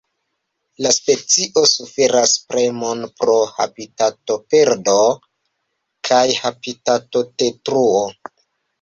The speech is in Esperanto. La specio suferas premon pro habitatoperdo kaj habitatodetruo.